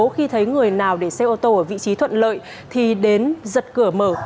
khi thấy người nào để xe ô tô ở vị trí thuận lợi thì đến giật cửa mở